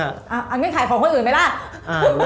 อันนี้ขายของคนอื่นไหมล่ะ